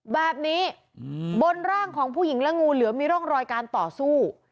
แบบนี้บนร่างของผู้หญิงและงูเหลือมีร่องรอยการต่อสู้